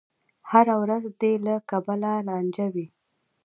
هره ورځ دې له کبله لانجه وي.